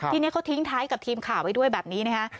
ทีนี้เขาทิ้งท้ายกับทีมข่าวไว้ด้วยแบบนี้นะคะ